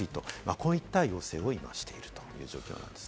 こういった要請を今、しているという状況です。